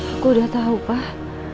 aku udah tau pak